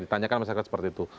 ditanyakan masyarakat seperti itu